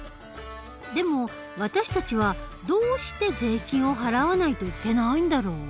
でも私たちはどうして税金を払わないといけないんだろう？